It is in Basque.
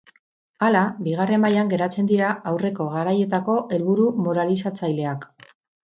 Hala, bigarren mailan geratzen dira aurreko garaietako helburu moralizatzaileak.